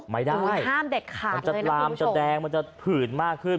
ไม่ได้มันจะตรามมันจะแดงมันจะผืนมากขึ้น